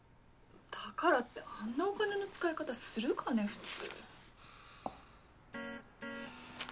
だからってあんなお金の使い方するかね普通。